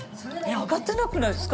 上がってなくないですか？